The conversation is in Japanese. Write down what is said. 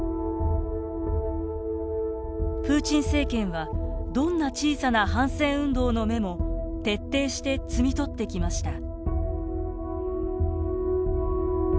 プーチン政権はどんな小さな反戦運動の芽も徹底して摘み取ってきました。